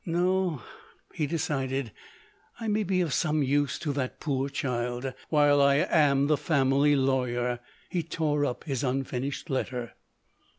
"No," he decided; "I may be of some use to that poor child, while I am the family lawyer." He tore up his unfinished letter.